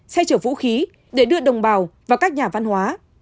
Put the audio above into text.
xe chở vũ khí để đưa đồng bào và các nhà văn hóa